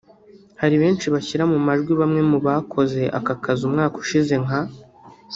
hari benshi bashyira mu majwi bamwe mu bakoze aka kazi umwaka ushize nka